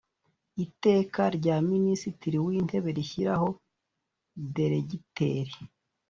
Iteka rya Minisitiri w Intebe rishyiraho deregiteri .